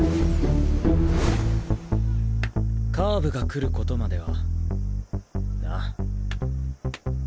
カーブが来る事まではな。